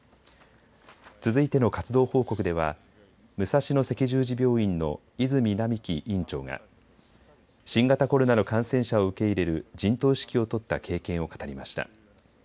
続いての活動報告では武蔵野赤十字病院の泉並木院長が新型コロナの感染者を受け入れる陣頭指揮を執った経験を語りました。